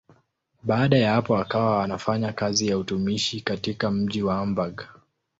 Baada ya hapo akawa anafanya kazi ya utumishi katika mji wa Hamburg.